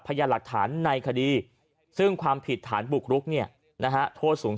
พญาหลักฐานในคดีซึ่งความผิดฐานบุกรุกเนี่ยนะฮะโทษสูง